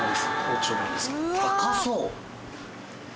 高そう。